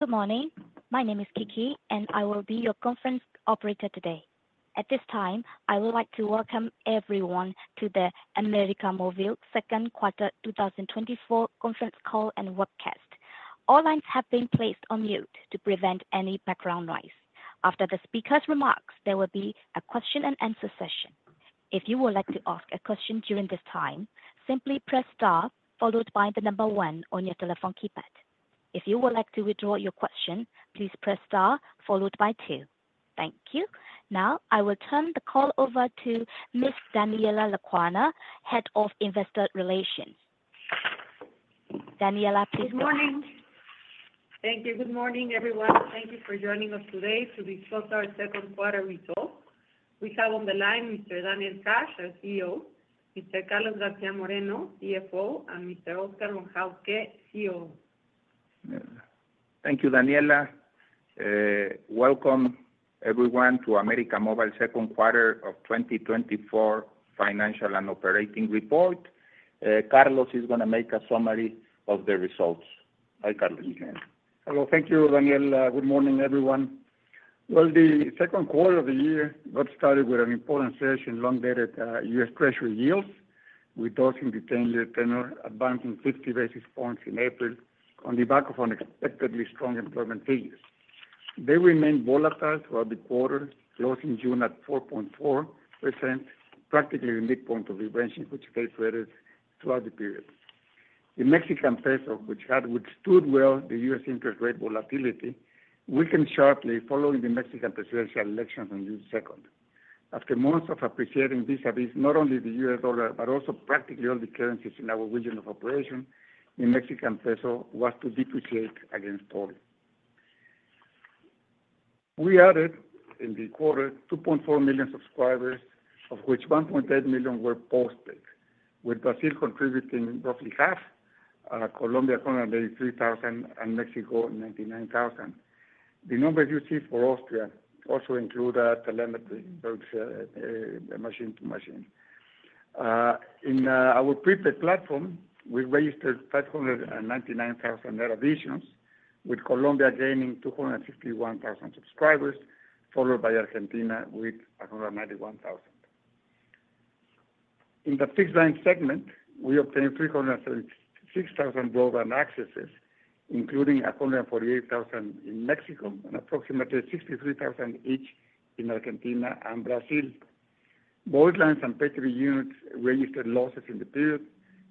Good morning. My name is Kiki, and I will be your conference operator today. At this time, I would like to welcome everyone to the América Móvil Second Quarter 2024 Conference Call and Webcast. All lines have been placed on mute to prevent any background noise. After the speaker's remarks, there will be a question and answer session. If you would like to ask a question during this time, simply press Star followed by the number one on your telephone keypad. If you would like to withdraw your question, please press Star followed by two. Thank you. Now, I will turn the call over to Ms. Daniela Lecuona, Head of Investor Relations. Daniela, please go ahead. Good morning. Thank you. Good morning, everyone. Thank you for joining us today to discuss our second quarter results. We have on the line Mr. Daniel Hajj, our CEO, Mr. Carlos García Moreno, CFO, and Mr. Oscar Von Hauske, COO. Thank you, Daniela. Welcome everyone to América Móvil second quarter of 2024 financial and operating report. Carlos is gonna make a summary of the results. Hi, Carlos. Hello. Thank you, Daniel. Good morning, everyone. Well, the second quarter of the year got started with an important session in long-dated U.S. Treasury yields, with those in the 10-year tenor advancing 50 basis points in April on the back of unexpectedly strong employment figures. They remained volatile throughout the quarter, closing June at 4.4%, practically the midpoint of the range, which they traded throughout the period. The Mexican peso, which had withstood well the U.S. interest rate volatility, weakened sharply following the Mexican presidential elections on June second. After months of appreciating vis-a-vis not only the U.S. dollar, but also practically all the currencies in our region of operation, the Mexican peso was to depreciate against all. We added, in the quarter, 2.4 million subscribers, of which 1.8 million were postpaid, with Brazil contributing roughly half, Colombia, 333,000, and Mexico, 99,000. The numbers you see for Austria also include, telemetry, POS, machine-to-machine. In, our prepaid platform, we registered 599,000 net additions, with Colombia gaining 251,000 subscribers, followed by Argentina with 191,000. In the fixed line segment, we obtained 306,000 broadband accesses, including 148,000 in Mexico and approximately 63,000 each in Argentina and Brazil. Both lines and pay TV units registered losses in the period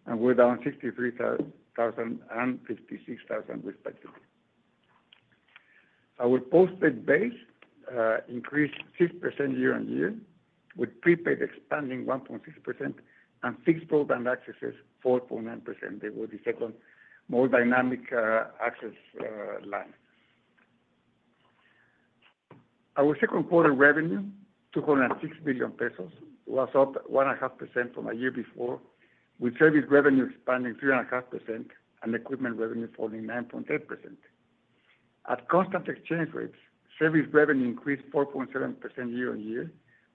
and were down 63,000 and 56,000, respectively. Our posted base increased 6% year-on-year, with prepaid expanding 1.6% and fixed broadband accesses 4.9%. They were the second more dynamic access line. Our second quarter revenue, 206 billion pesos, was up 1.5% from a year before, with service revenue expanding 3.5% and equipment revenue falling 9.8%. At constant exchange rates, service revenue increased 4.7% year-on-year,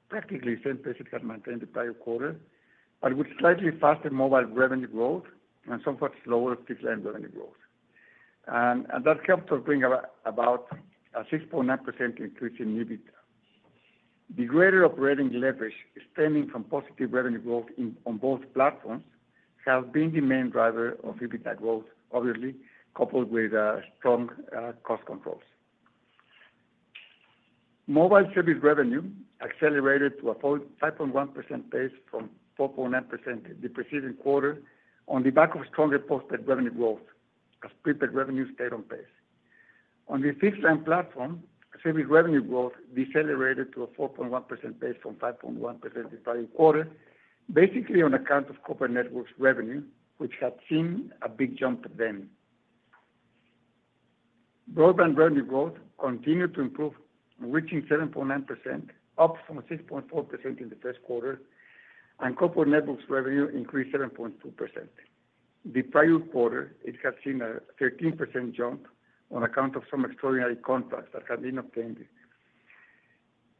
practically same pace it had maintained the prior quarter, but with slightly faster mobile revenue growth and somewhat slower fixed line revenue growth. And that helped us bring about a 6.9% increase in EBITDA. The greater operating leverage stemming from positive revenue growth in, on both platforms, has been the main driver of EBITDA growth, obviously, coupled with strong cost controls. Mobile service revenue accelerated to a 5.1% pace from 4.9% the preceding quarter on the back of stronger postpaid revenue growth, as prepaid revenue stayed on pace. On the fixed line platform, service revenue growth decelerated to a 4.1% from 5.1% the prior quarter, basically on account of corporate networks revenue, which had seen a big jump then. Broadband revenue growth continued to improve, reaching 7.9%, up from a 6.4% in the first quarter, and corporate networks revenue increased 7.2%. The prior quarter, it had seen a 13% jump on account of some extraordinary contracts that had been obtained.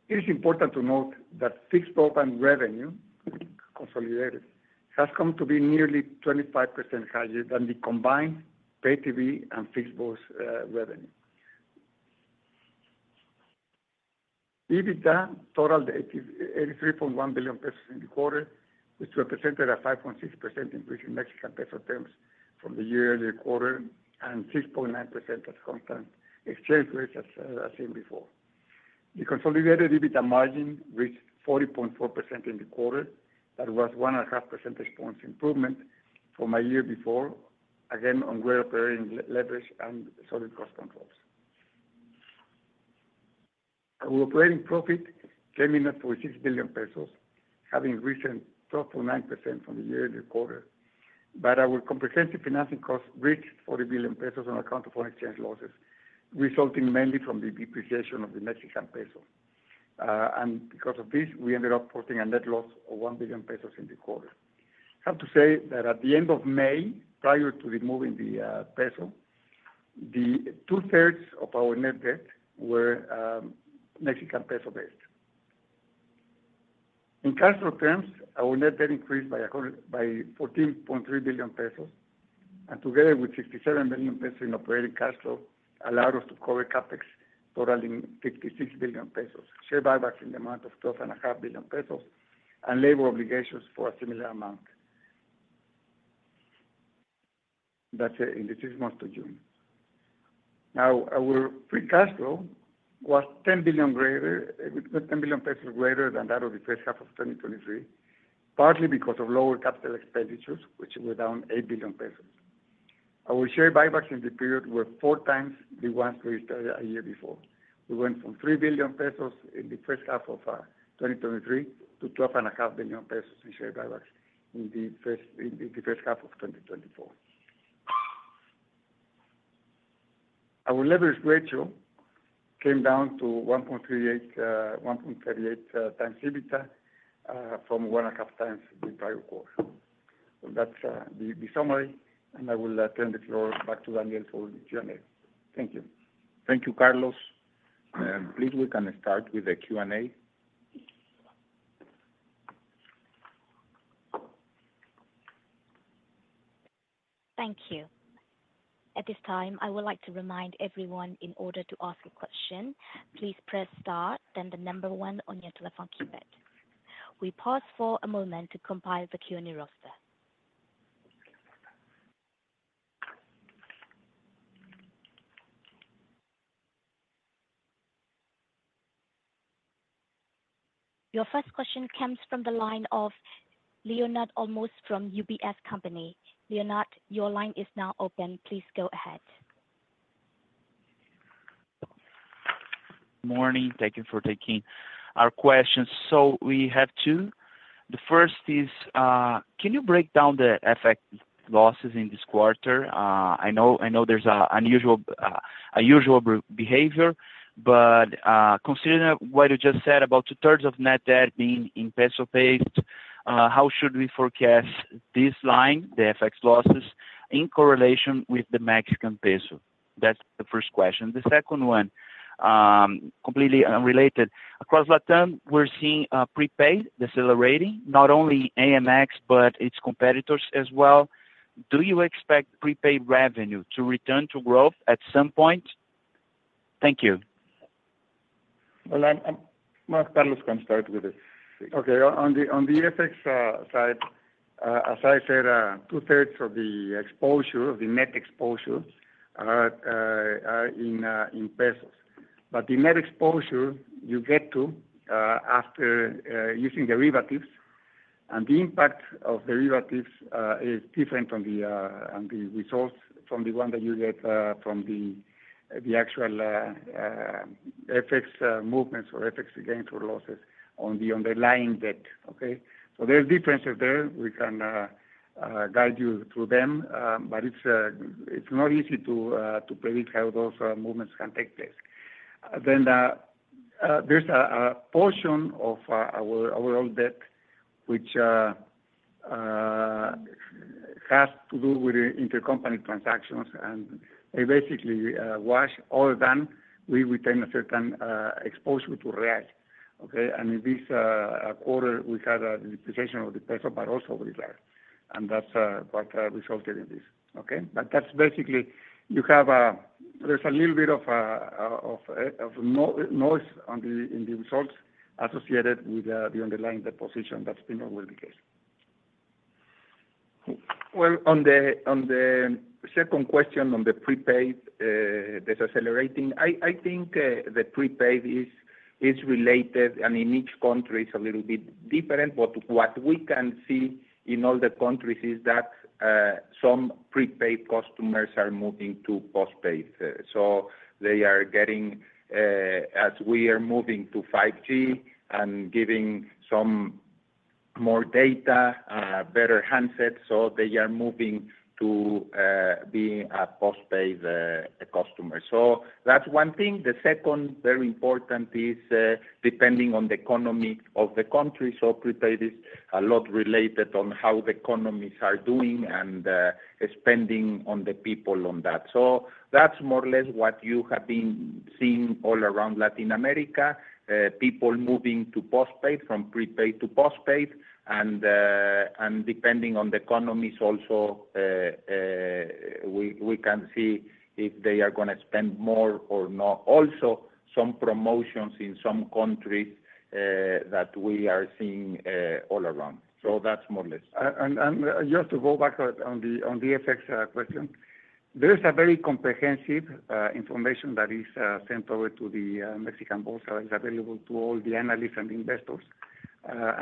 It is important to note that fixed broadband revenue, consolidated, has come to be nearly 25% higher than the combined pay TV and fixed voice, revenue. EBITDA totaled 88.1 billion pesos in the quarter, which represented a 5.6% increase in Mexican peso terms from the year and the quarter, and 6.9% at constant exchange rates as seen before. The consolidated EBITDA margin reached 40.4% in the quarter. That was 1.5 percentage points improvement from a year before, again, on great operating leverage and solid cost controls. Our operating profit came in at 0.6 billion pesos, having recently dropped to 9% from the year in the quarter. But our comprehensive financing cost reached 40 billion pesos on account of foreign exchange losses, resulting mainly from the depreciation of the Mexican peso. And because of this, we ended up posting a net loss of 1 billion pesos in the quarter. I have to say that at the end of May, prior tothe move in the peso, two-thirds of our net debt were Mexican peso-based. In cash flow terms, our net debt increased by 14.3 billion pesos, and together with 67 billion pesos in operating cash flow, allowed us to cover CapEx totaling 56 billion pesos, share buybacks in the amount of 12.5 billion pesos, and labor obligations for a similar amount. That's in the six months to June. Now, our free cash flow was 10 billion, greater than that of the first half of 2023, partly because of lower capital expenditures, which were down 8 billion pesos. Our share buybacks in the period were four times the ones we started a year before. We went from 3 billion pesos in the first half of 2023 to 12.5 billion pesos in share buybacks in the first half of 2024. Our leverage ratio came down to 1.38x EBITDA from 1.5x the prior quarter. So that's the summary, and I will turn the floor back to Daniel for the Q&A. Thank you. Thank you, Carlos. Please, we can start with the Q&A. Thank you. At this time, I would like to remind everyone in order to ask a question, please press star, then the number one on your telephone keypad. We pause for a moment to compile the Q&A roster. Your first question comes from the line of Leonardo Olmos from UBS. Leonardo, your line is now open. Please go ahead. Morning. Thank you for taking our questions. So we have two. The first is, can you break down the FX losses in this quarter? I know there's an unusual behavior, but considering what you just said, about two thirds of net debt being in peso-based, how should we forecast this line, the FX losses, in correlation with the Mexican peso? That's the first question. The second one, completely unrelated. Across LatAm, we're seeing prepaid decelerating, not only AMX, but its competitors as well. Do you expect prepaid revenue to return to growth at some point? Thank you. Well, Carlos can start with this. Okay. On the FX side, as I said, two-thirds of the exposure, of the net exposure, are in pesos. But the net exposure you get to after using derivatives, and the impact of derivatives, is different from the results from the one that you get from the actual FX movements or FX gains or losses on the underlying debt, okay? So there's differences there. We can guide you through them, but it's not easy to predict how those movements can take place. Then there's a portion of our old debt, which has to do with the intercompany transactions, and they basically wash all of them. We retain a certain exposure to Reais, okay? And in this quarter, we had a depreciation of the peso, but also with that, and that's what resulted in this, okay? But that's basically, you have, there's a little bit of noise in the results associated with the underlying depreciation. That's been always the case. Well, on the second question, on the prepaid decelerating, I think the prepaid is related, and in each country is a little bit different. But what we can see in all the countries is that some prepaid customers are moving to postpaid. So they are getting, as we are moving to 5G and giving some more data, better handsets, so they are moving to being a postpaid customer. So that's one thing. The second, very important, is depending on the economy of the country, so prepaid is a lot related on how the economies are doing and spending on the people on that. So that's more or less what you have been seeing all around Latin America. People moving to postpaid, from prepaid to postpaid, and depending on the economies also, we can see if they are gonna spend more or not. Also, some promotions in some countries, that we are seeing, all around. So that's more or less. And just to go back on the FX question, there is a very comprehensive information that is sent over to the Mexican Bolsa, is available to all the analysts and investors.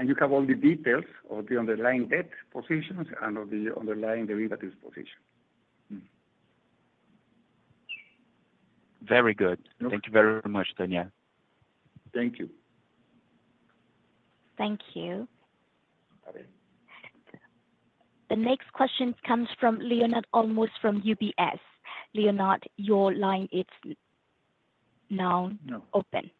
You have all the details of the underlying debt positions and of the underlying derivatives position. Very good. Okay. Thank you very much, Daniel. Thank you. Thank you. The next question comes from Leonardo Olmos from UBS. Leonardo, your line is now open.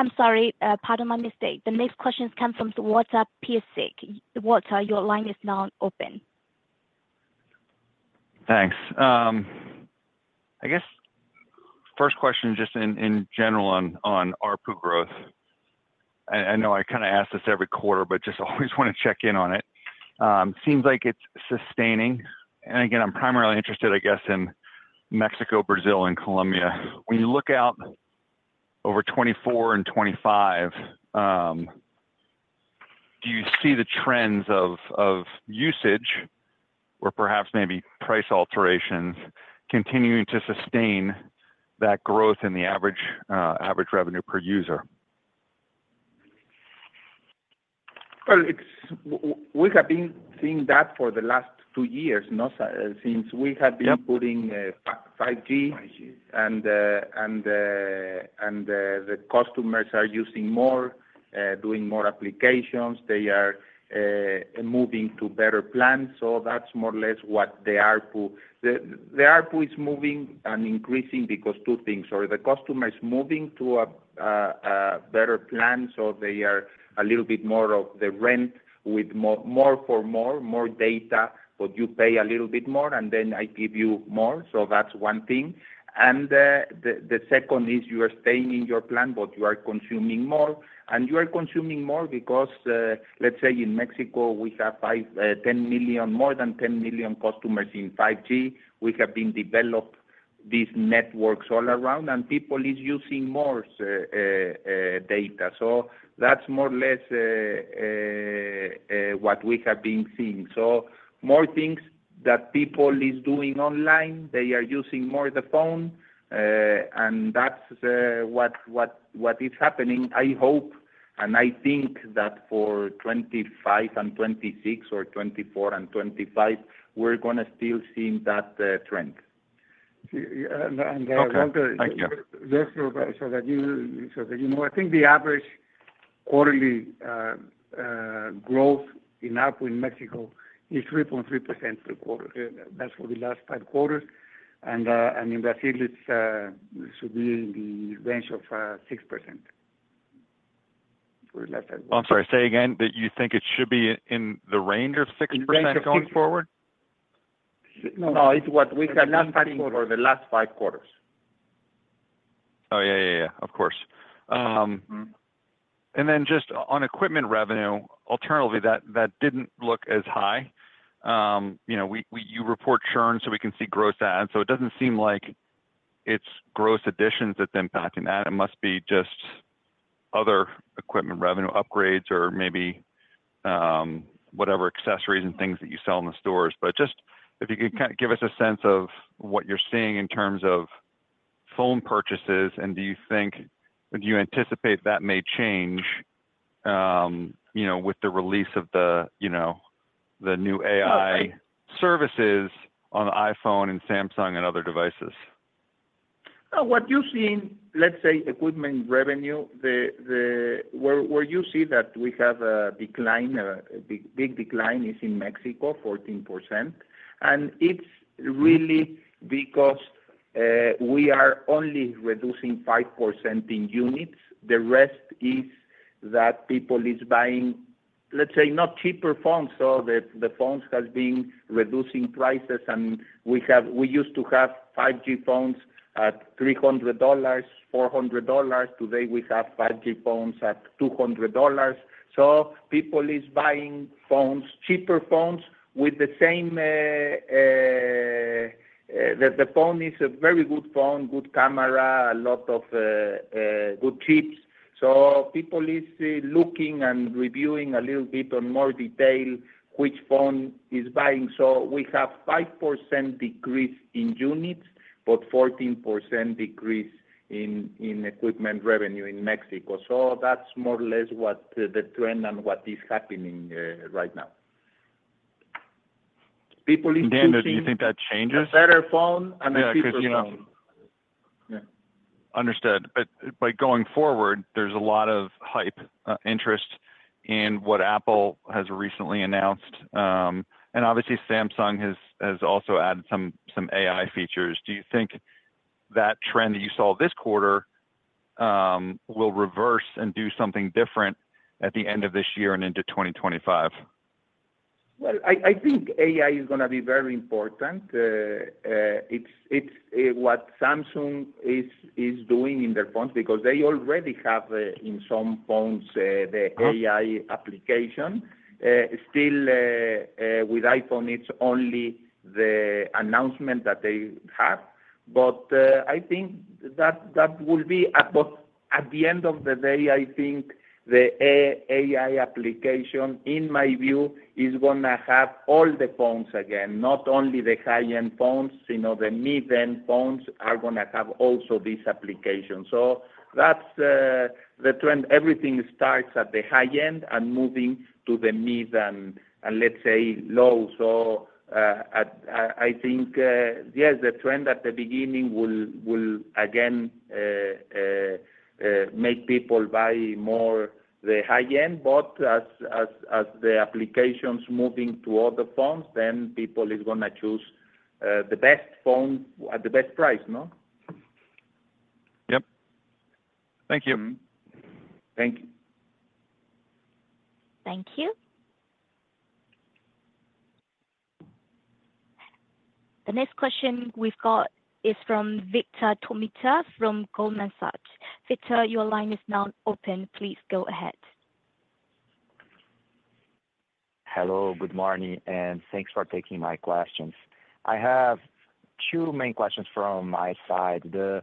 I'm sorry. Pardon my mistake. The next question comes from Walter Piecyk. Walter, your line is now open. Thanks. I guess first question, just in general on ARPU growth. I know I kind of ask this every quarter, but just always want to check in on it. Seems like it's sustaining, and again, I'm primarily interested, I guess, in Mexico, Brazil, and Colombia. When you look out over 2024 and 2025, do you see the trends of usage or perhaps maybe price alterations continuing to sustain that growth in the average average revenue per user? Well, we have been seeing that for the last two years, no? Since we have been- Yeah putting 5G. And the customers are using more, doing more applications. They are moving to better plans, so that's more or less what the ARPU... The ARPU is moving and increasing because two things, or the customer is moving to a better plan, so they are a little bit more of the rent with more, more for more, more data, but you pay a little bit more, and then I give you more. So that's one thing. And the second is you are staying in your plan, but you are consuming more. And you are consuming more because, let's say in Mexico, we have five, 10 million, more than 10 million customers in 5G. We have been developed these networks all around, and people is using more data. So that's more or less what we have been seeing. So more things that people is doing online, they are using more the phone, and that's what is happening, I hope, and I think that for 2025 and 2026 or 2024 and 2025, we're gonna still seeing that trend. See, and, and, uh- Okay. Thank you. Just so that you, so that you know, I think the average quarterly growth in ARPU in Mexico is 3.3% per quarter. That's for the last five quarters, and, and in Brazil, it's should be in the range of 6% for the last five- I'm sorry. Say again, that you think it should be in the range of 6% going forward? In range of six- No, it's what we have been seeing for the last five quarters. Oh, yeah, yeah, yeah, of course. And then just on equipment revenue, alternatively, that, that didn't look as high. You know, you report churn, so we can see gross adds, so it doesn't seem like it's gross additions that's impacting that. It must be just other equipment revenue upgrades or maybe whatever accessories and things that you sell in the stores. But just if you could give us a sense of what you're seeing in terms of phone purchases, and do you think, do you anticipate that may change, you know, with the release of the, you know, the new AI services on iPhone and Samsung and other devices? What you see in, let's say, equipment revenue, where you see that we have a decline, a big, big decline is in Mexico, 14%. And it's really because, we are only reducing 5% in units. The rest is that people is buying, let's say, not cheaper phones, so the phones has been reducing prices, and we have-- we used to have 5G phones at $300, $400. Today, we have 5G phones at $200. So people is buying phones, cheaper phones with the same, the phone is a very good phone, good camera, a lot of good chips. So people is looking and reviewing a little bit on more detail, which phone is buying. We have 5% decrease in units, but 14% decrease in equipment revenue in Mexico. That's more or less what the trend and what is happening right now. People is- Dan, do you think that changes? The better phone and the cheaper phone. Yeah. Understood. But by going forward, there's a lot of hype, interest in what Apple has recently announced. And obviously, Samsung has also added some AI features. Do you think that trend that you saw this quarter, will reverse and do something different at the end of this year and into 2025? Well, I think AI is gonna be very important. It's what Samsung is doing in their phones because they already have in some phones the AI application. Still, with iPhone, it's only the announcement that they have. But I think that will be... But at the end of the day, I think the AI application, in my view, is gonna have all the phones again, not only the high-end phones, you know, the mid-end phones are gonna have also this application. So that's the trend. Everything starts at the high end and moving to the mid-end, and let's say, low. So, I think, yes, the trend at the beginning will again make people buy more the high end, but as the application's moving to other phones, then people is gonna choose the best phone at the best price, no? Yep. Thank you. Thank you. Thank you. The next question we've got is from Vitor Tomita from Goldman Sachs. Vitor, your line is now open. Please go ahead. Hello, good morning, and thanks for taking my questions. I have two main questions from my side. The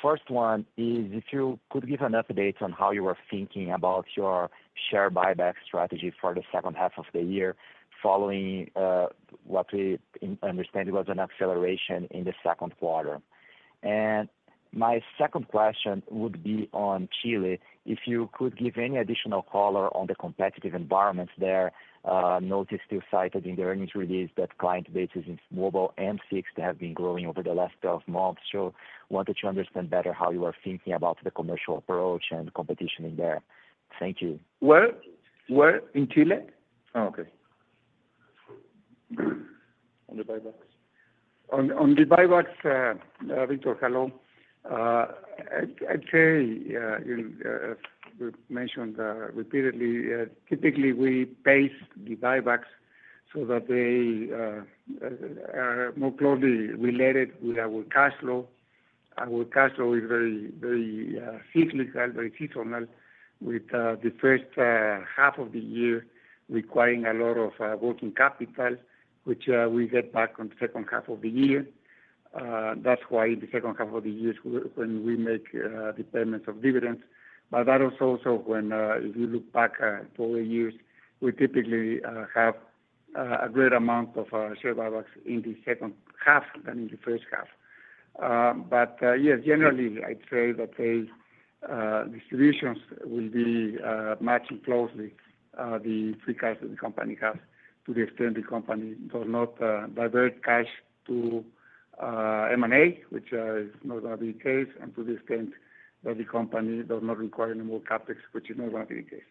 first one is if you could give an update on how you are thinking about your share buyback strategy for the second half of the year, following what we understand was an acceleration in the second quarter. And my second question would be on Chile. If you could give any additional color on the competitive environments there, notice still cited in the earnings release that client bases in mobile and fixed have been growing over the last 12 months. So wanted to understand better how you are thinking about the commercial approach and competition in there. Thank you. Where? Where, in Chile? Oh, okay. On the buybacks. On the buybacks, Vitor, hello. I'd say, as we've mentioned repeatedly, typically, we pace the buybacks so that they are more closely related with our cash flow. Our cash flow is very, very cyclical, very seasonal, with the first half of the year requiring a lot of working capital, which we get back on the second half of the year. That's why the second half of the year is when we make the payments of dividends. But that is also when, if you look back for the years, we typically have a great amount of share buybacks in the second half than in the first half. But yes, generally, I'd say that the distributions will be matching closely the free cash that the company has to the extent the company does not divert cash to M&A, which is not going to be the case, and to the extent that the company does not require any more CapEx, which is not going to be the case.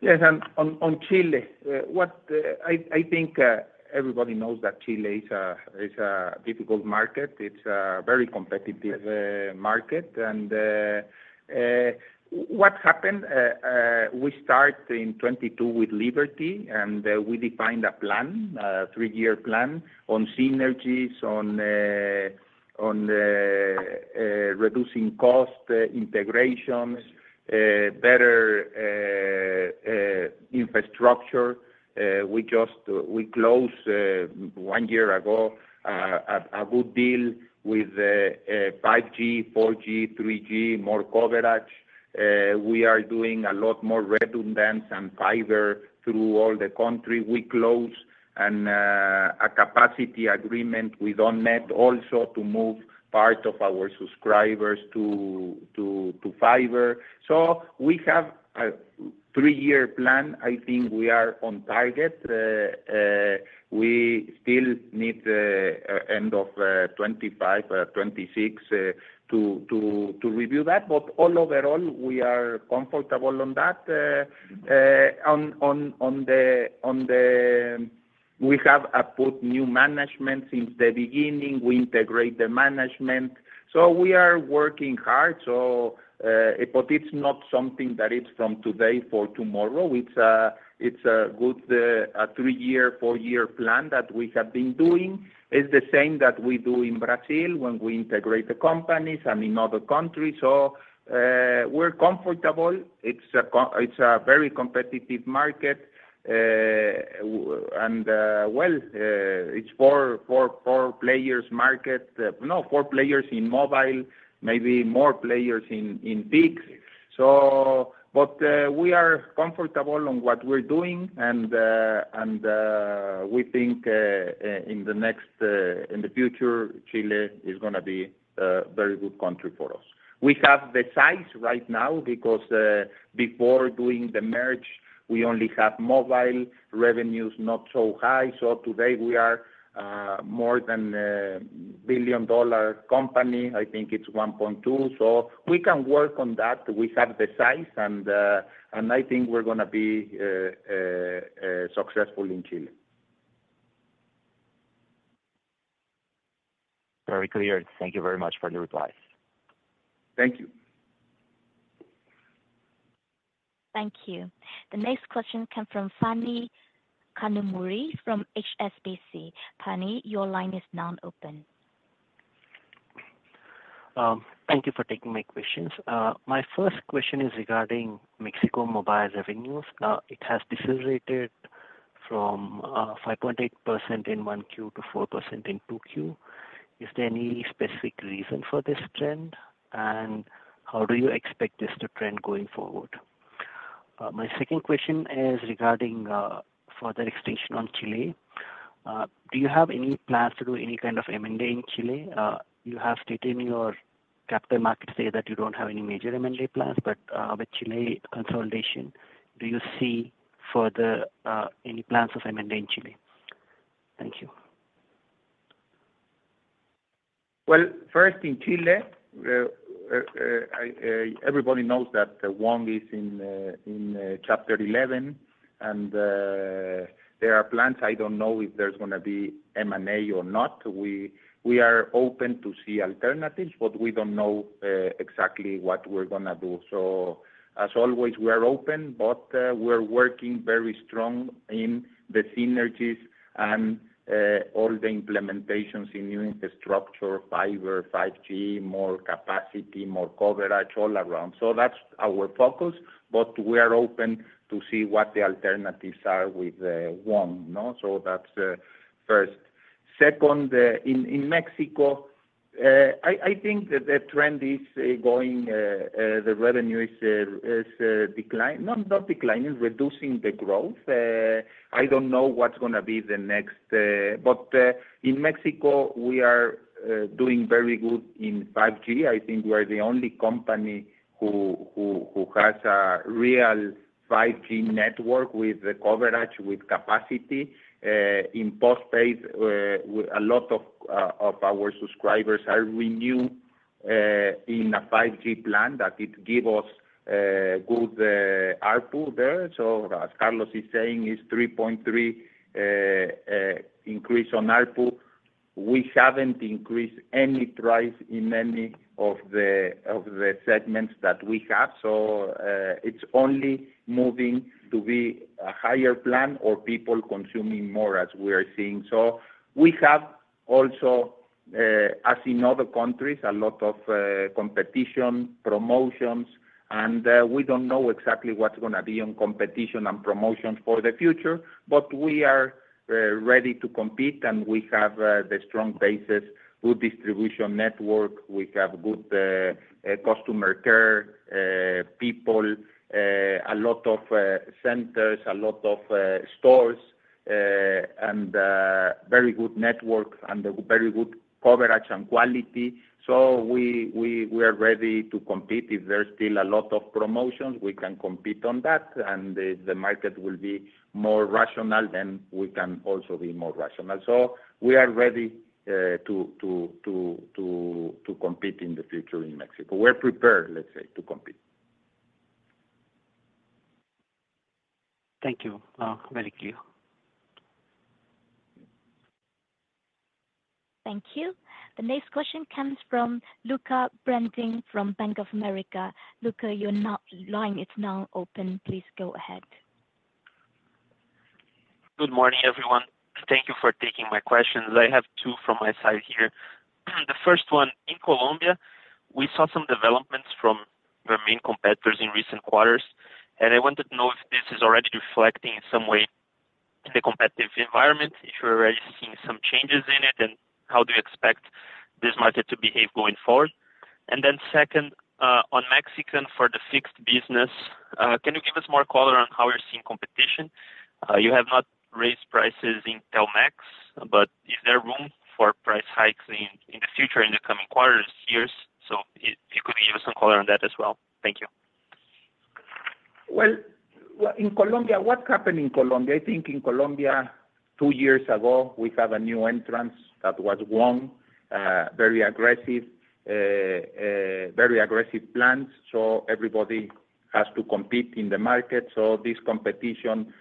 Yes, and on Chile, I think everybody knows that Chile is a difficult market. It's a very competitive market. And what happened, we start in 2022 with Liberty, and we defined a plan, a three-year plan on synergies, on reducing costs, integrations, better infrastructure. We just closed one year ago a good deal with 5G, 4G, 3G, more coverage. We are doing a lot more redundancy and fiber through all the country. We closed a capacity agreement with OnNet also to move part of our subscribers to fiber. So we have a three-year plan. I think we are on target. We still need end of 2025, 2026 to review that. But overall, we are comfortable on that. We have put new management since the beginning, we integrate the management. So we are working hard, but it's not something that is from today to tomorrow. It's a good three-year, four-year plan that we have been doing. It's the same that we do in Brazil when we integrate the companies and in other countries. So, we're comfortable. It's a very competitive market. Well, it's four players market, no, four players in mobile, maybe more players in fixed. But we are comfortable on what we're doing, and we think in the next, in the future, Chile is gonna be a very good country for us. We have the size right now because before doing the merge, we only have mobile revenues, not so high. So today we are more than a billion-dollar company. I think it's $1.2 billion, so we can work on that. We have the size and I think we're gonna be successful in Chile. Very clear. Thank you very much for the replies. Thank you. Thank you. The next question come from Phani Kanumuri from HSBC. Phani, your line is now open. Thank you for taking my questions. My first question is regarding Mexico mobile revenues. It has decelerated from 5.8% in 1Q to 4% in 2Q. Is there any specific reason for this trend? And how do you expect this to trend going forward? My second question is regarding further extension on Chile. Do you have any plans to do any kind of M&A in Chile? You have stated in your capital markets day that you don't have any major M&A plans, but with Chile consolidation, do you see further any plans of M&A in Chile? Thank you. Well, first in Chile, I, everybody knows that the WOM is in, in Chapter 11, and, there are plans. I don't know if there's gonna be M&A or not. We, we are open to see alternatives, but we don't know, exactly what we're gonna do. So as always, we are open, but, we're working very strong in the synergies and, all the implementations in new infrastructure, fiber, 5G, more capacity, more coverage all around. So that's our focus, but we are open to see what the alternatives are with, WOM, no? So that's, first. Second, in, in Mexico, I, I think that the trend is, going, the revenue is, is, decline, no, not declining, reducing the growth. I don't know what's gonna be the next,... But in Mexico, we are doing very good in 5G. I think we are the only company who has a real 5G network with the coverage, with capacity. In postpaid, a lot of our subscribers are renew in a 5G plan that it give us good output there. So as Carlos is saying, is 3.3 increase on output. We haven't increased any price in any of the segments that we have. So it's only moving to be a higher plan or people consuming more as we are seeing. So we have also, as in other countries, a lot of competition, promotions, and we don't know exactly what's gonna be on competition and promotions for the future, but we are ready to compete, and we have the strong basis, good distribution network. We have good customer care people, a lot of centers, a lot of stores, and very good network and a very good coverage and quality. So we are ready to compete. If there's still a lot of promotions, we can compete on that, and the market will be more rational, then we can also be more rational. So we are ready to compete in the future in Mexico. We're prepared, let's say, to compete. Thank you. Very clear. Thank you. The next question comes from Lucca Brendim, from Bank of America. Lucca, your line is now open. Please go ahead. Good morning, everyone. Thank you for taking my questions. I have two from my side here. The first one, in Colombia, we saw some developments from your main competitors in recent quarters, and I wanted to know if this is already reflecting in some way in the competitive environment, if you're already seeing some changes in it, and how do you expect this market to behave going forward? And then second, on Mexico for the fixed business, can you give us more color on how you're seeing competition? You have not raised prices in Telmex, but is there room for price hikes in the future, in the coming quarters, years? So if you could give us some color on that as well. Thank you. Well, well, in Colombia, what happened in Colombia? I think in Colombia, two years ago, we have a new entrance that was WOM, very aggressive, very aggressive plans, so everybody has to compete in the market. So this competition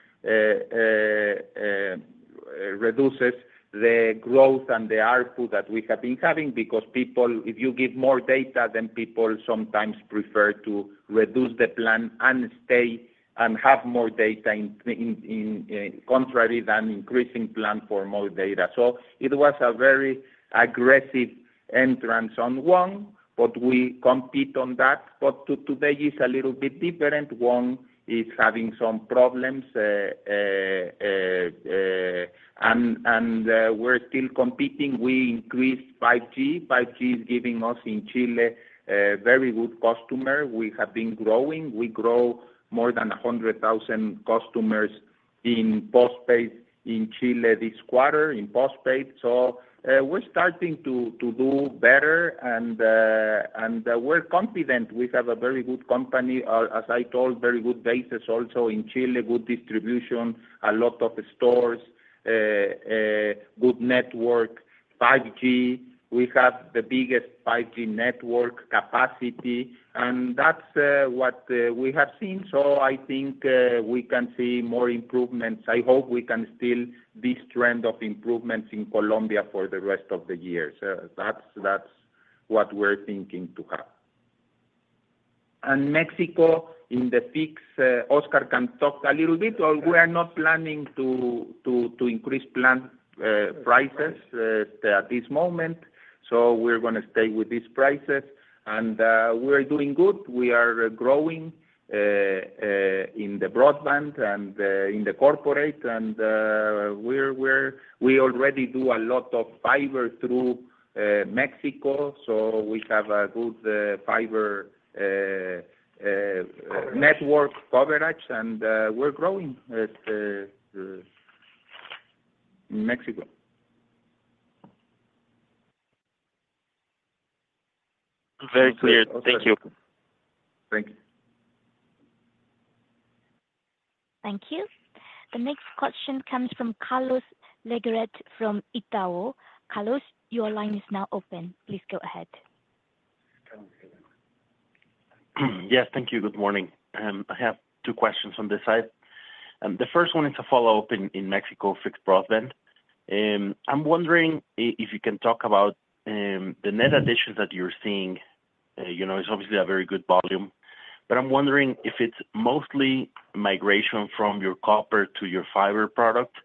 reduces the growth and the output that we have been having, because people, if you give more data, then people sometimes prefer to reduce the plan and stay and have more data in contrary than increasing plan for more data. So it was a very aggressive entrance on WOM, but we compete on that. But today is a little bit different. WOM is having some problems, and we're still competing. We increased 5G. 5G is giving us in Chile a very good customer. We have been growing. We grow more than 100,000 customers in postpaid in Chile this quarter, in postpaid. So, we're starting to do better, and we're confident. We have a very good company, as I told, very good basis also in Chile, good distribution, a lot of stores, good network, 5G. We have the biggest 5G network capacity, and that's what we have seen. So I think we can see more improvements. I hope we can still this trend of improvements in Colombia for the rest of the year. So that's what we're thinking to have. And Mexico, in the fixed, Oscar can talk a little bit, or we are not planning to increase plan prices at this moment. So we're gonna stay with these prices, and we're doing good. We are growing in the broadband and in the corporate, and we already do a lot of fiber through Mexico, so we have a good fiber network coverage, and we're growing in Mexico. Very clear. Thank you. Thank you. Thank you. The next question comes from Carlos de Legarreta from Itaú BBA. Carlos, your line is now open. Please go ahead. Yes, thank you. Good morning. I have two questions on this side. The first one is a follow-up in Mexico fixed broadband. I'm wondering if you can talk about the net additions that you're seeing. You know, it's obviously a very good volume, but I'm wondering if it's mostly migration from your copper to your fiber product,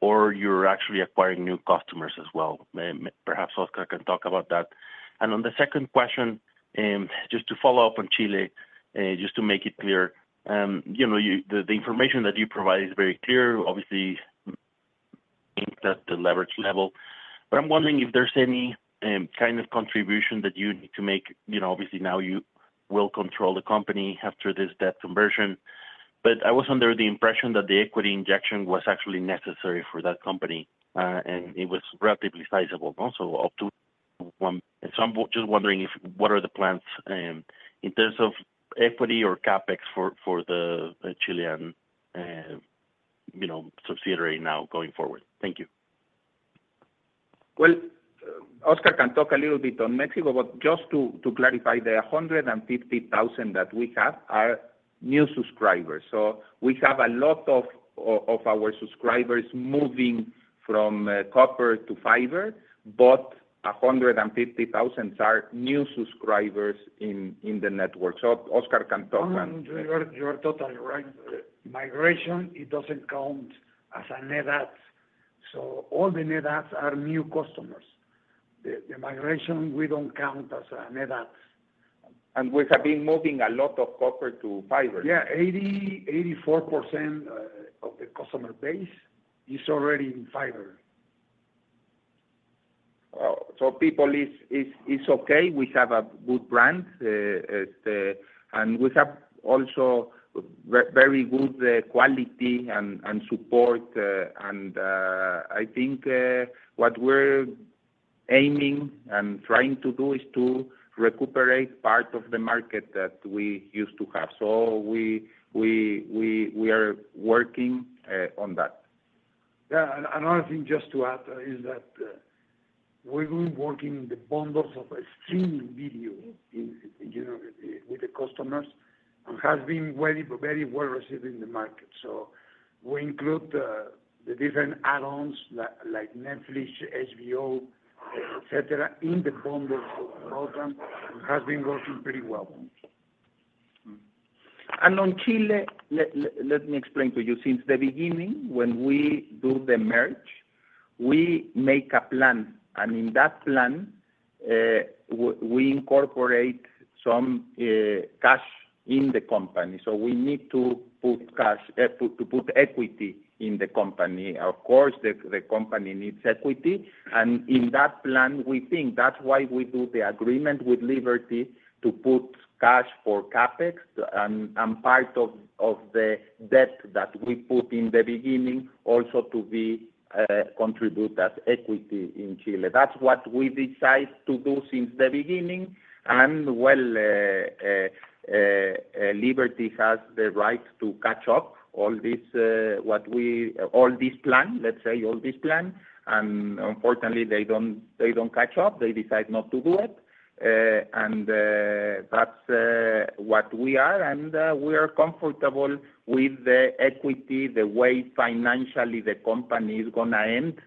or you're actually acquiring new customers as well. Perhaps Oscar can talk about that. On the second question, just to follow up on Chile, just to make it clear, you know, the information that you provide is very clear, obviously, that the leverage level. But I'm wondering if there's any kind of contribution that you need to make, you know, obviously now you will control the company after this debt conversion. But I was under the impression that the equity injection was actually necessary for that company, and it was relatively sizable, also, up to one... So I'm just wondering if what are the plans, in terms of equity or CapEx for, for the, the Chilean, you know, subsidiary now going forward? Thank you. Well, Oscar can talk a little bit on Mexico, but just to clarify, the 150,000 that we have are new subscribers. So we have a lot of our subscribers moving from copper to fiber, but 150,000 are new subscribers in the network. So Oscar can talk and- You are totally right. Migration, it doesn't count as a net add, so all the net adds are new customers. The migration, we don't count as net adds. We have been moving a lot of copper to fiber. Yeah, 84% of the customer base is already in fiber. People is okay. We have a good brand as the... We have also very good quality and support, and I think what we're aiming and trying to do is to recuperate part of the market that we used to have. So we are working on that. Yeah, and another thing just to add is that we've been working the bundles of streaming video in, you know, with the customers, and has been very, very well received in the market. So we include the different add-ons, like Netflix, HBO, et cetera, in the bundle program, and has been working pretty well. On Chile, let me explain to you. Since the beginning, when we do the merge, we make a plan, and in that plan, we incorporate some cash in the company. So we need to put cash to put equity in the company. Of course, the company needs equity, and in that plan, we think that's why we do the agreement with Liberty to put cash for CapEx and part of the debt that we put in the beginning, also to contribute that equity in Chile. That's what we decide to do since the beginning, and well, Liberty has the right to catch up all this what we... All this plan, let's say, all this plan, and unfortunately, they don't catch up. They decide not to do it. And that's what we are, and we are comfortable with the equity, the way financially the company is gonna end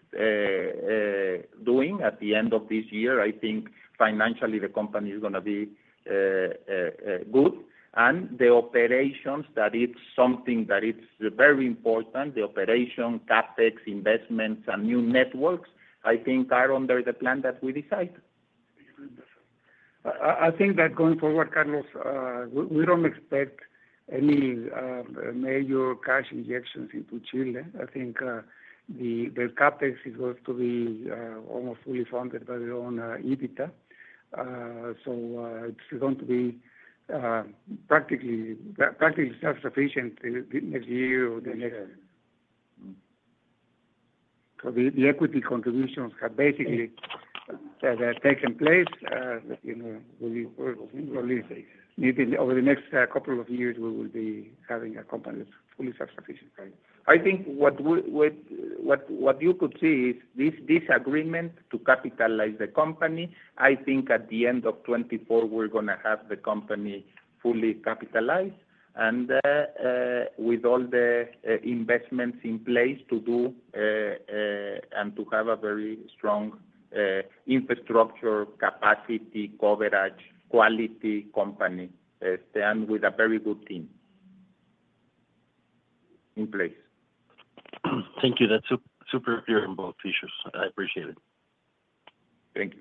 doing at the end of this year. I think financially, the company is gonna be good. And the operations, that it's something that it's very important, the operation, CapEx, investments and new networks, I think are under the plan that we decide. I think that going forward, Carlos, we don't expect any major cash injections into Chile. I think the CapEx is going to be almost fully funded by their own EBITDA. So it's going to be practically self-sufficient in the next year or the next... Yeah. So the equity contributions have basically, you know, taken place. We will probably need it over the next couple of years. We will be having a company that's fully self-sufficient, right? I think what you could see is this agreement to capitalize the company. I think at the end of 2024, we're gonna have the company fully capitalized. And with all the investments in place to do and to have a very strong infrastructure, capacity, coverage, quality company and with a very good team in place. Thank you. That's super clear on both issues. I appreciate it. Thank you.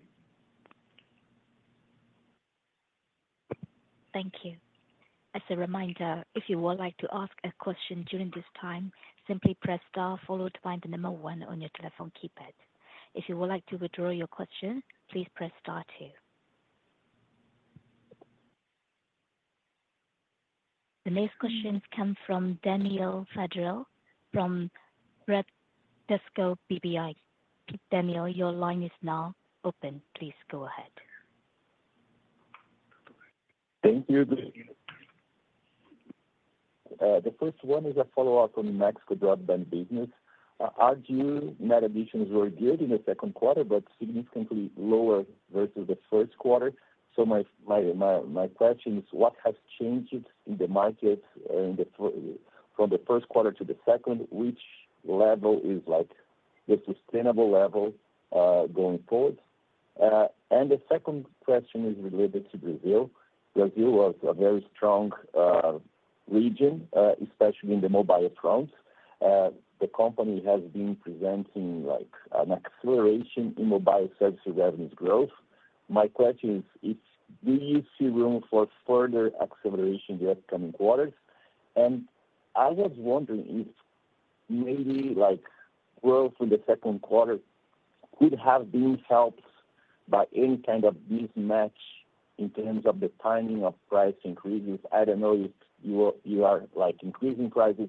Thank you. As a reminder, if you would like to ask a question during this time, simply press star, followed by the number one on your telephone keypad. If you would like to withdraw your question, please press star two. The next question comes from Daniel Federle from Bradesco BBI. Daniel, your line is now open. Please go ahead. Thank you. The first one is a follow-up on Mexico broadband business. Our view net additions were good in the second quarter, but significantly lower versus the first quarter. So my question is, what has changed in the market from the first quarter to the second? Which level is like the sustainable level, going forward? And the second question is related to Brazil. Brazil was a very strong region, especially in the mobile front. The company has been presenting like an acceleration in mobile service revenue growth. My question is, if do you see room for further acceleration in the upcoming quarters? And I was wondering if maybe like growth in the second quarter could have been helped by any kind of mismatch in terms of the timing of price increases. I don't know if you are, like, increasing prices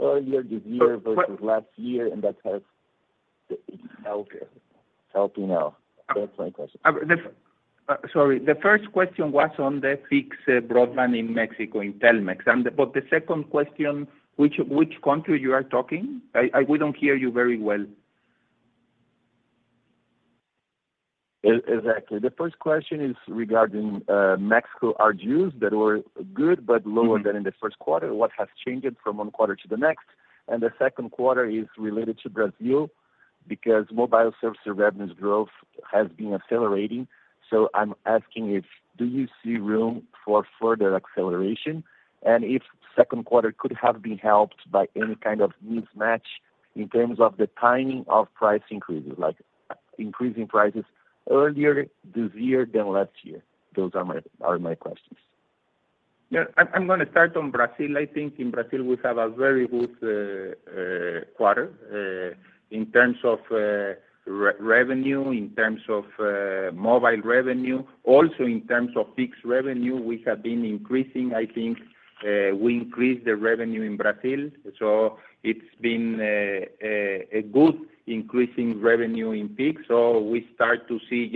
earlier this year versus last year, and that has helped, helping out. That's my question. Sorry. The first question was on the fixed broadband in Mexico, in Telmex. And but the second question, which, which country you are talking? I, I, we don't hear you very well. Exactly. The first question is regarding Mexico, ARPU that were good, but lower than in the first quarter. What has changed from one quarter to the next? And the second question is related to Brazil, because mobile service revenue growth has been accelerating. So I'm asking if, do you see room for further acceleration? And if second quarter could have been helped by any kind of mismatch in terms of the timing of price increases, like increasing prices earlier this year than last year. Those are my questions. Yeah, I'm gonna start on Brazil. I think in Brazil, we have a very good quarter in terms of revenue, in terms of mobile revenue. Also, in terms of fixed revenue, we have been increasing. I think we increased the revenue in Brazil, so it's been a good increase in revenue in pay TV. So we start to see,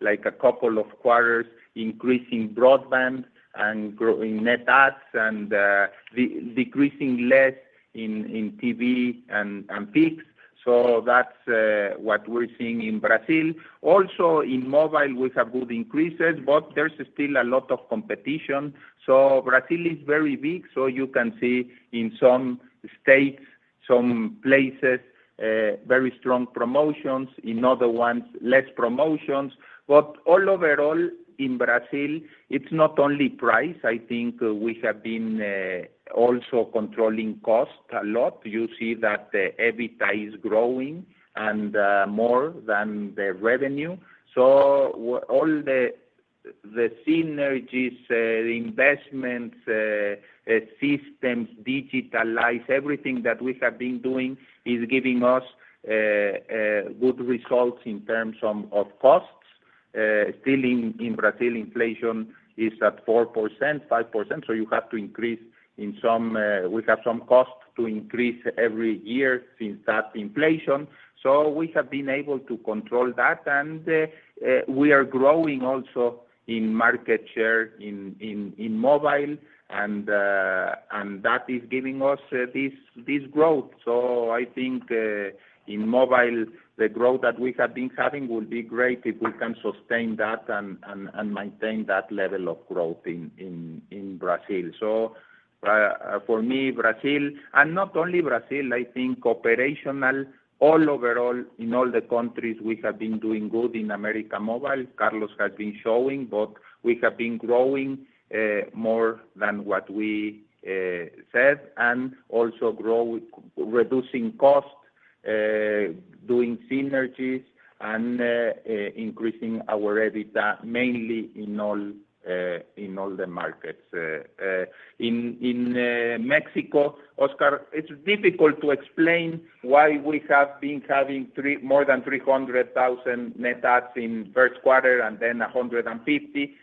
like a couple of quarters increasing broadband and growing net adds, and decreasing less in TV and pay TV. So that's what we're seeing in Brazil. Also, in mobile, we have good increases, but there's still a lot of competition. So Brazil is very big, so you can see in some states, some places very strong promotions, in other ones, less promotions. But overall in Brazil, it's not only price. I think we have been also controlling cost a lot. You see that the EBITDA is growing and more than the revenue. So all the synergies, the investments, systems, digitalize, everything that we have been doing is giving us good results in terms of costs. Still in Brazil, inflation is at 4%-5%, so you have to increase in some, we have some costs to increase every year since that inflation. So we have been able to control that, and we are growing also in market share in mobile, and that is giving us this growth. So I think, in mobile, the growth that we have been having will be great if we can sustain that and maintain that level of growth in Brazil. So, for me, Brazil, and not only Brazil, I think operational, overall, in all the countries, we have been doing good in América Móvil. Carlos has been showing, but we have been growing more than what we said, and also reducing costs, doing synergies and increasing our EBITDA, mainly in all the markets. In Mexico, Oscar, it's difficult to explain why we have been having more than 300,000 net adds in first quarter and then 150,000.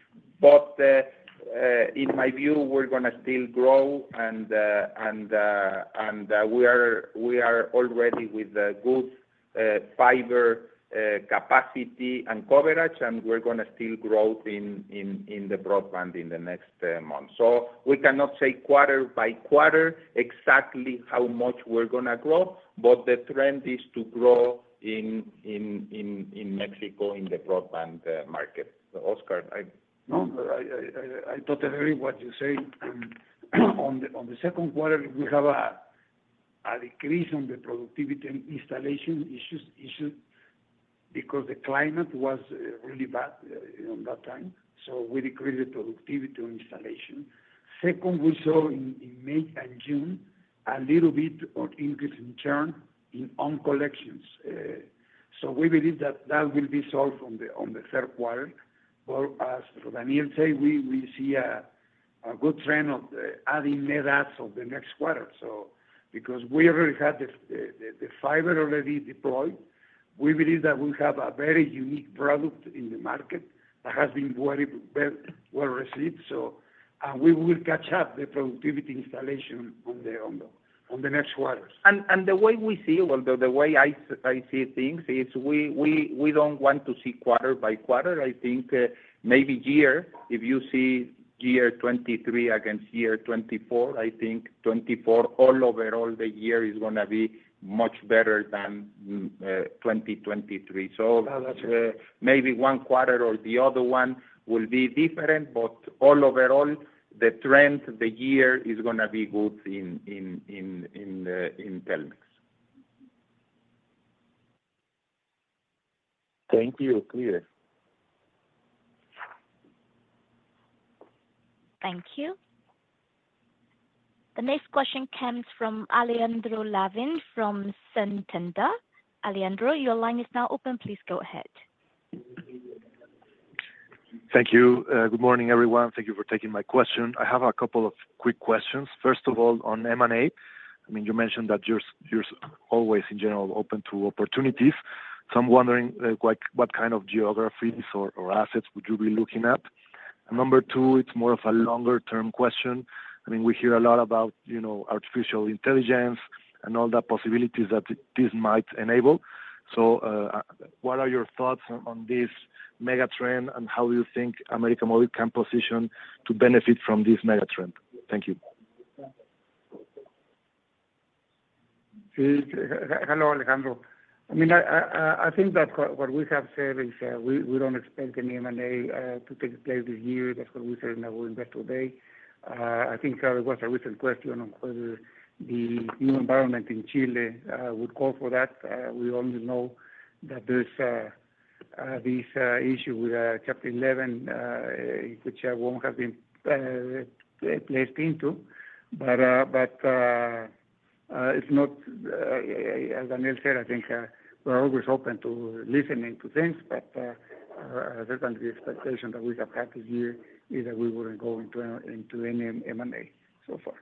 But, in my view, we're gonna still grow and we are already with a good fiber capacity and coverage, and we're gonna still grow in the broadband in the next months. So we cannot say quarter-by-quarter exactly how much we're gonna grow, but the trend is to grow in Mexico, in the broadband market. So, Oscar, I- No, I totally agree what you say. On the second quarter, we have a decrease on the productivity and installation issues, because the climate was really bad in that time, so we decreased the productivity on installation. Second, we saw in May and June, a little bit of increase in churn in on collections. So we believe that that will be solved on the third quarter. But as Daniel say, we see a good trend of adding net adds on the next quarter. So because we already have the fiber already deployed, we believe that we have a very unique product in the market that has been very well received. And we will catch up the productivity installation on the next quarters. The way we see, well, the way I see things is we don't want to see quarter-by-quarter. I think, maybe year, if you see year 2023 against year 2024, I think 2024 overall the year is gonna be much better than 2023. So- Oh, that's right. Maybe one quarter or the other one will be different, but all overall, the trend, the year is gonna be good in Telmex. Thank you. Clear. Thank you. The next question comes from Alejandro Lavin, from Santander. Alejandro, your line is now open. Please go ahead. Thank you. Good morning, everyone. Thank you for taking my question. I have a couple of quick questions. First of all, on M&A, I mean, you mentioned that you're, you're always, in general, open to opportunities, so I'm wondering, like, what kind of geographies or, or assets would you be looking at? And number two, it's more of a longer-term question. I mean, we hear a lot about, you know, artificial intelligence and all the possibilities that this might enable. So, what are your thoughts on, on this mega trend, and how you think América Móvil can position to benefit from this mega trend? Thank you. Hello, Alejandro. I mean, I think that what we have said is, we don't expect any M&A to take place this year. That's what we said in our Investor Day. I think there was a recent question on whether the new environment in Chile would call for that. We only know that there's this issue with Chapter 11, which won't have been placed into. But, it's not... As Daniel said, I think, we're always open to listening to things, but, certainly the expectation that we have had this year is that we wouldn't go into any M&A so far.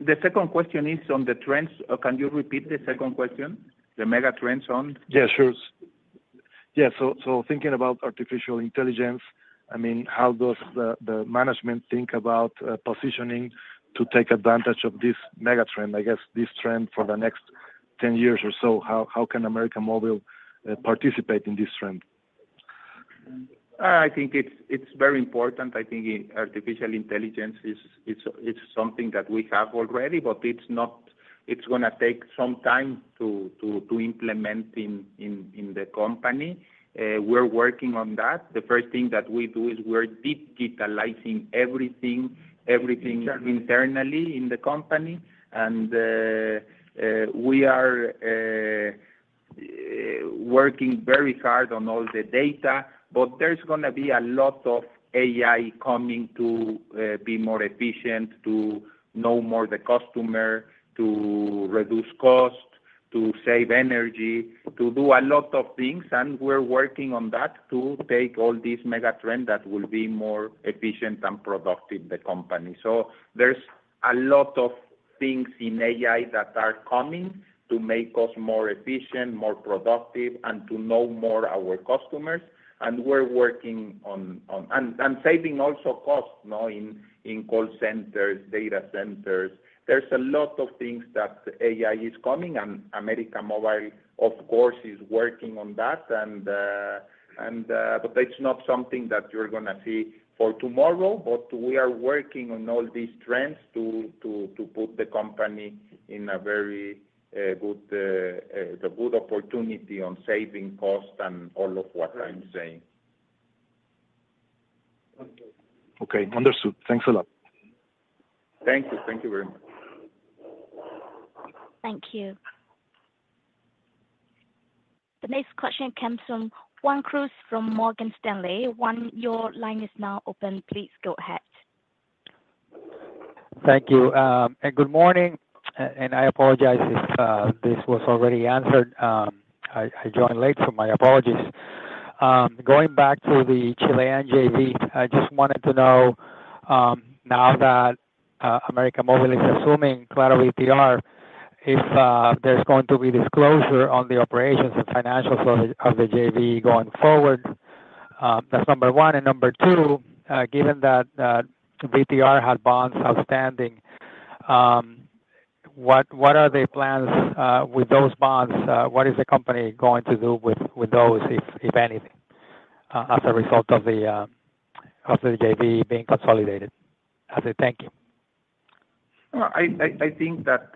The second question is on the trends, or can you repeat the second question? The mega trends on- Yeah, sure. Yeah, so, so thinking about artificial intelligence, I mean, how does the management think about, positioning to take advantage of this mega trend? I guess this trend for the next 10 years or so, how can América Móvil participate in this trend? I think it's very important. I think artificial intelligence is something that we have already, but it's not—it's gonna take some time to implement in the company. We're working on that. The first thing that we do is we're digitizing everything internally in the company, and we are working very hard on all the data, but there's gonna be a lot of AI coming to be more efficient, to know more the customer, to reduce cost, to save energy, to do a lot of things, and we're working on that, to take all this mega trend that will be more efficient and productive, the company. So there's a lot of things in AI that are coming to make us more efficient, more productive, and to know more our customers. And we're working on... Saving also costs, you know, in call centers, data centers. There's a lot of things that AI is coming, and América Móvil, of course, is working on that. But that's not something that you're gonna see for tomorrow, but we are working on all these trends to put the company in a very good, the good opportunity on saving cost and all of what I'm saying. Okay, understood. Thanks a lot. Thank you. Thank you very much. Thank you. The next question comes from Juan Cruz, from Morgan Stanley. Juan, your line is now open. Please go ahead. Thank you, and good morning. I apologize if this was already answered. I joined late, so my apologies. Going back to the Chilean JV, I just wanted to know, now that América Móvil is assuming ClaroVTR, if there's going to be disclosure on the operations and financials of the JV going forward? That's number one. And number two, given that VTR had bonds outstanding, what are the plans with those bonds? What is the company going to do with those, if anything, as a result of the JV being consolidated? That's it. Thank you. I think that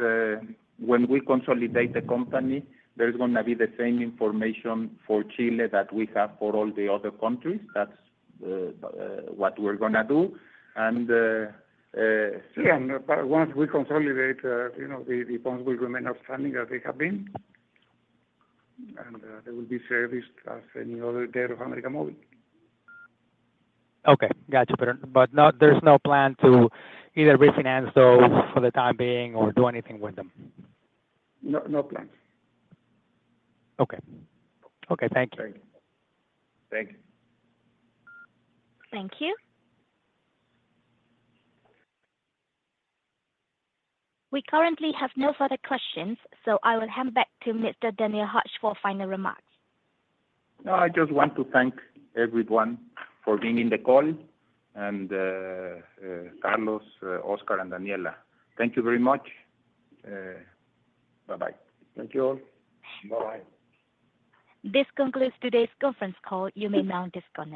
when we consolidate the company, there's gonna be the same information for Chile that we have for all the other countries. That's what we're gonna do. And yeah, once we consolidate, you know, the bonds will remain outstanding as they have been, and they will be serviced as any other debt of América Móvil. Okay. Gotcha. But, but not, there's no plan to either refinance those for the time being or do anything with them? No, no plan. Okay. Okay, thank you. Thank you. Thank you. We currently have no further questions, so I will hand back to Mr. Daniel Hajj for final remarks. No, I just want to thank everyone for being in the call, and Carlos, Oscar, and Daniela. Thank you very much. Bye-bye. Thank you all. Bye-bye. This concludes today's conference call. You may now disconnect.